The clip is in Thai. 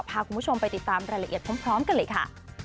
พาคุณผู้ชมไปติดตามรายละเอียดพร้อมกันเลยค่ะ